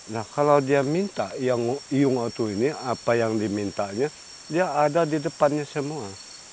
nah kalau dia minta yang iyung oto ini apa yang dimintanya dia ada di depannya semua